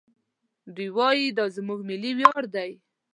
دوی وايي دا زموږ ملي ویاړ دی.